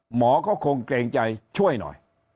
หมอก็คงเกรงใจช่วยหน่อย